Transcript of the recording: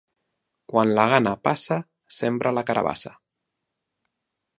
Quan la gana passa, sembra la carabassa.